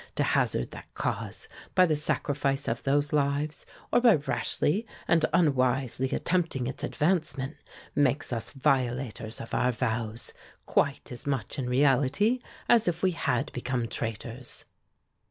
To hazard that cause, by the sacrifice of those lives, or by rashly and unwisely attempting its advancement, makes us violators of our vows, quite as much in reality as if we had become traitors."